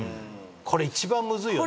これ一番むずいよね。